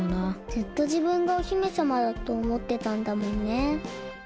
ずっとじぶんがお姫さまだとおもってたんだもんね。